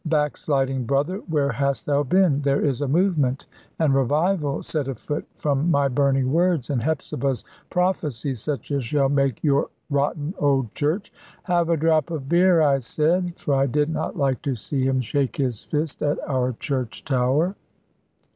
Backsliding brother, where hast thou been? There is a movement and revival set afoot from my burning words and Hepzibah's prophecies such as shall make your rotten old Church " "Have a drop of beer," I said, for I did not like to see him shake his fist at our church tower.